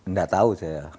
nggak tahu saya